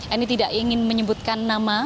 eni tidak ingin menyebutkan nama